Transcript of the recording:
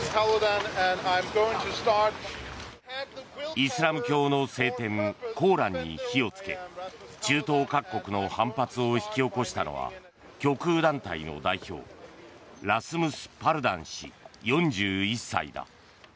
イスラム教の聖典コーランに火を付け中東各国の反発を引き起こしたのは極右団体の代表ラスムス・パルダン氏４１歳だ。